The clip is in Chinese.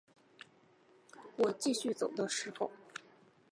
我继续走的时候